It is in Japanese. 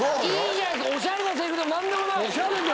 おしゃれなセリフでも何でもない！